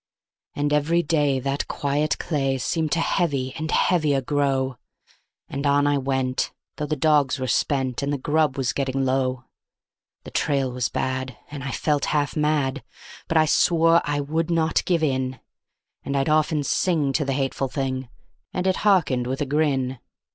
And every day that quiet clay seemed to heavy and heavier grow; And on I went, though the dogs were spent and the grub was getting low; The trail was bad, and I felt half mad, but I swore I would not give in; And I'd often sing to the hateful thing, and it hearkened with a grin.